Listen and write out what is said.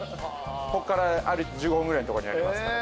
こっから歩いて１５分ぐらいのとこにありますから。